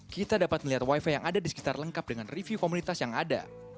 kita dapat melihat wifi yang ada di sekitar lengkap dengan review komunitas yang ada